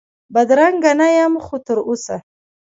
بدرنګه نه یم خو تراوسه،